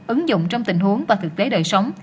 ứng dụng trong tình huống và thực tế đời sống